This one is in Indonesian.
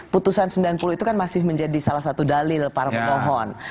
putusan sembilan puluh itu kan masih menjadi salah satu dalil para pemohon